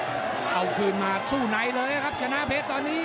เอาคืนมาสู้ในเลยนะครับชนะเพชรตอนนี้